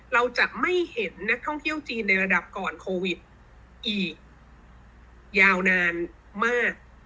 เราจะไม่เห็นนักท่องเที่ยวจีนในระดับก่อนโควิดอีกยาวนานมาก